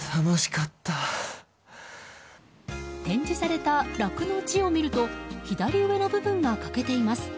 展示された「楽」の字を見ると左上の部分が欠けています。